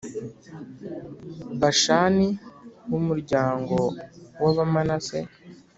Bashani h umuryango w Abamanase